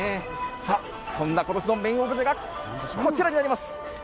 さあ、そんなことしのメインオブジェが、こちらになります。